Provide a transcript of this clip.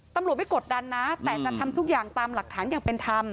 ตำรวจไม่กดดันนะแต่จะทำทุกอย่างตามหลักฐานอย่างเป็นธรรม